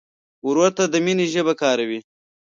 ورور ته د مینې ژبه کاروې.